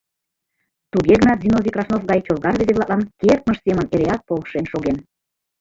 Туге гынат Зиновий Краснов гай чолга рвезе-влаклан кертмыж семын эреак полшен шоген.